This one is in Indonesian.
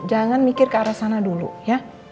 jangan mikir ke arah sana dulu ya